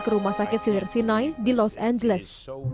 ke rumah sakit silir sinai di los angeles